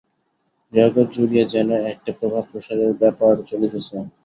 জগৎ জুড়িয়া যেন একটা প্রভাব-প্রসারের ব্যাপার চলিতেছে।